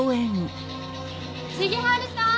重治さん！